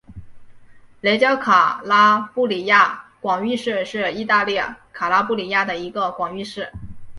雷焦卡拉布里亚广域市是意大利卡拉布里亚的一个广域市。